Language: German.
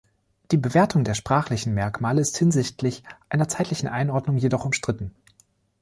Die Bewertung der sprachlichen Merkmale ist hinsichtlich einer zeitlichen Einordnung jedoch umstritten.